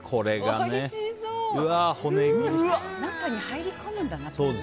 中に入り込むんだな、ポン酢が。